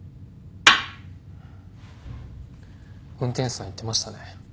運転手さん言ってましたね。